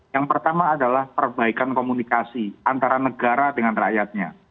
yang pertama adalah perbaikan komunikasi antara negara dengan rakyatnya